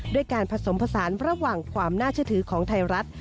ด้วยการผสมผสานระหว่างความน่าเชื่อถือของไทยรัฐ